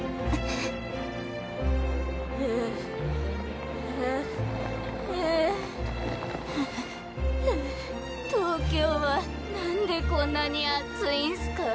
ハァハァ東京はなんでこんなに暑いんすか。